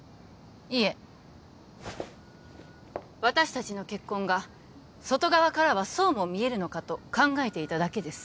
いえ私達の結婚が外側からはそうも見えるのかと考えていただけです